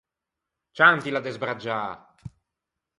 Ciantila de sbraggiâ!